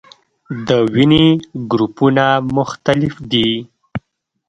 د وینې ګروپونه مختلف دي